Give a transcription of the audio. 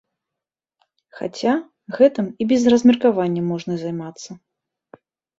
Хаця, гэтым і без размеркавання можна займацца.